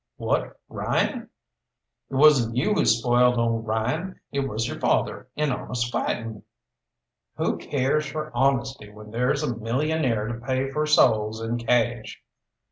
"What, Ryan? It wasn't you who spoiled old Ryan. It was your father in honest fighting!" "Who cares for honesty when there's a millionaire to pay for souls in cash?